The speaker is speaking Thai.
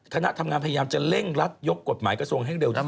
คณะทำงานพยายามจะเร่งรัดยกกฎหมายกระทรวงให้เร็วที่สุด